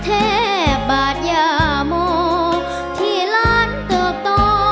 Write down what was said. เทบาทหยามโหมที่ล้านเติบต่อ